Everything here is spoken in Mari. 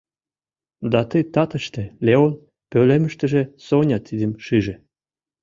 Да ты татыште Леон пӧлемыштыже Соня тидым шиже.